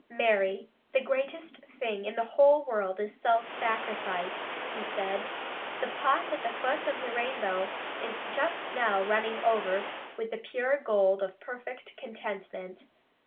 "Mary, the greatest thing in the whole world is self sacrifice," he said. "The pot at the foot of the rainbow is just now running over with the pure gold of perfect contentment.